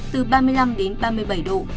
từ ba mươi năm đến ba mươi bảy độ